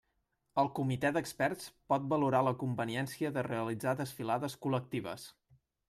El comitè d'experts pot valorar la conveniència de realitzar desfilades col·lectives.